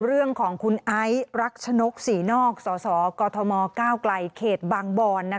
เรื่องของคุณไอซ์รักชนกศรีนอกสสกมก้าวไกลเขตบางบอน